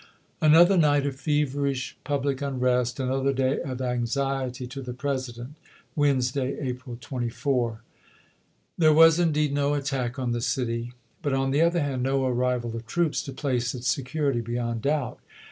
ms. Another night of feverish public unrest, another day of anxiety to the President — Wednesday, April 24. There was indeed no attack on the city; but, on the other hand, no arrival of troops to place its security beyond doubt.